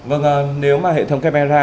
vâng nếu mà hệ thống camera